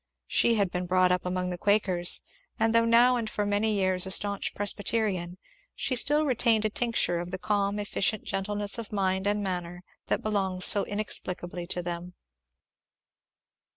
She had been brought up among the Quakers, and though now and for many years a staunch Presbyterian, she still retained a tincture of the calm efficient gentleness of mind and manner that belongs so inexplicably to them.